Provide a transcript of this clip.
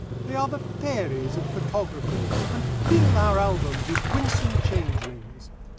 They are the fairies of photography, and fill our albums with winsome changelings.